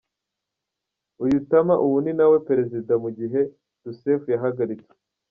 Uyu Temer ubu ni nawe Perezida mu gihe Rousseff yahagaritswe.